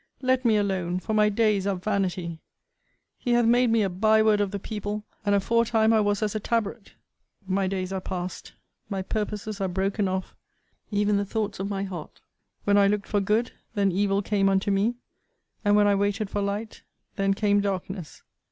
Let me alone; for my days are vanity! He hath made me a bye word of the people; and aforetime I was as a tabret. My days are past, my purposes are broken off, even the thoughts of my heart. When I looked for good, then evil came unto me; and when I waited for light, then came darkness.